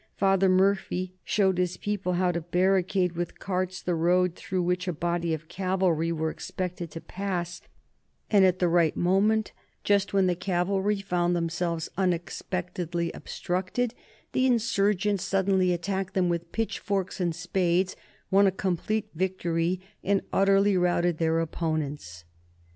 Father Murphy showed his people how to barricade with carts the road through which a body of cavalry were expected to pass, and at the right moment, just when the cavalry found themselves unexpectedly obstructed, the insurgents suddenly attacked them with pitchforks and spades, won a complete victory, and utterly routed their opponents.